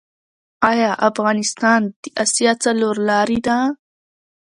آیا افغانستان د اسیا څلور لارې ده؟